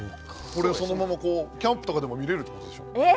これそのままこうキャンプとかでも見れるってことでしょ？え！